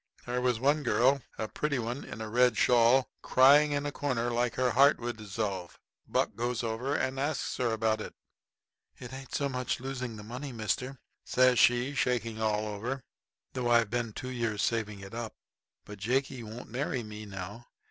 There was one girl a pretty one in a red shawl, crying in a corner like her heart would dissolve. Buck goes over and asks her about it. "It ain't so much losing the money, mister," says she, shaking all over, "though I've been two years saving it up; but Jakey won't marry me now.